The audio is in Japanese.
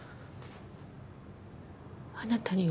あなたには